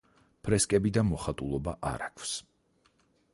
ფრესკები და მოხატულობა არ აქვს.